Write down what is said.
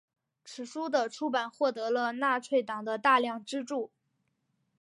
此书的出版获得了纳粹党的大量资助。